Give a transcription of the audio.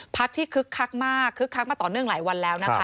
พักที่คึกคักมากคึกคักมาต่อเนื่องหลายวันแล้วนะคะ